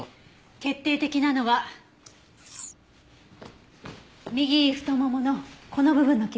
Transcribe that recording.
決定的なのは右太もものこの部分の傷。